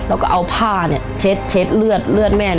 เราก็เอาผ้าเช็ดเลือดลดแม่